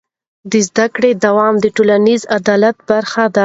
د زده کړې دوام د ټولنیز عدالت برخه ده.